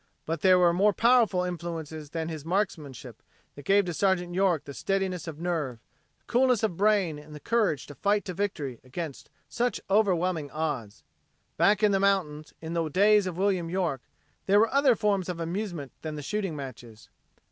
But there were more powerful influences than his marksmanship that gave to Sergeant York the steadiness of nerve, the coolness of brain and the courage to fight to victory against such overwhelming odds. Back in the mountains in the days of William York, there were other forms of amusement than the shooting matches.